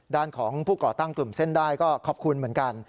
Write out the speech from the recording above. ด้านของผู้ก่อตั้งกลุ่มเส้นได้ก็ขอบคุณเหมือนกัน